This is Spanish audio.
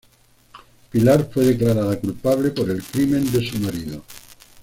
Pilar fue declarada culpable por el crimen de su marido.